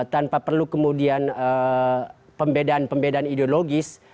tanpa perlu kemudian pembedaan pembedaan ideologis